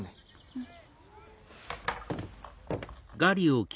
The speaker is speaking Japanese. うん。